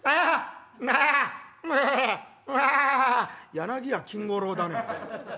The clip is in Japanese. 「柳家金語楼だね。